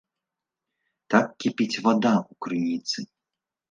Так кіпіць вада ў крыніцы.